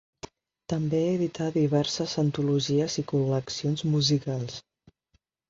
També edità diverses antologies i col·leccions musicals.